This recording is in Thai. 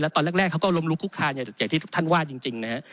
แล้วตอนแรกเขาก็ล้มลุกคุกทานอย่างที่ท่านว่าจริงนะครับ